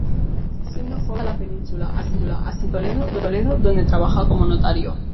Siendo joven viaja a la península, asentándose en Toledo, donde trabaja como notario.